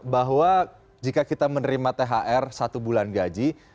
bahwa jika kita menerima thr satu bulan gaji